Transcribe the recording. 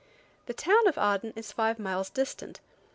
The town of Aden is five miles distant.